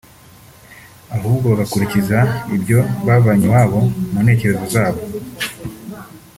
ahubwo bagakurikiza ibyo bavanye iwabo mu ntekerezo zabo